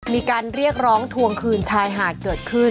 มีการเรียกร้องทวงคืนชายหาดเกิดขึ้น